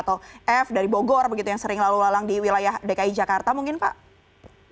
atau f dari bogor begitu yang sering lalu lalang di wilayah dki jakarta mungkin pak